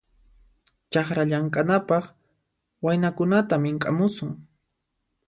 Chakra llamk'anapaq waynakunata mink'amusun.